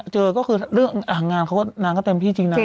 เจอก็คือเรื่องงานเขาก็นางก็เต็มที่จริงนะ